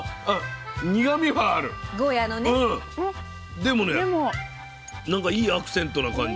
でもね何かいいアクセントな感じ。